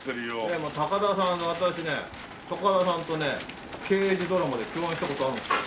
でも高田さん私ね高田さんとね刑事ドラマで共演した事あるんですよ。